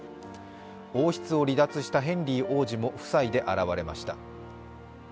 王室を離脱したヘンリー王子も夫妻で現れました。